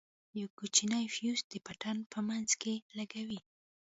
يو کوچنى فيوز د پټن په منځ کښې لگوو.